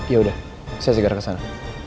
yaudah saya segera kesana